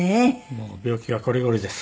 もう病気はこりごりです。